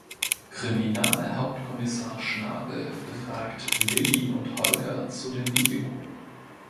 Kriminalhauptkommissar Schnabel befragt Lilly und Holger zu dem Video.